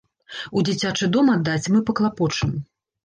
У дзіцячы дом аддаць, мы паклапочам.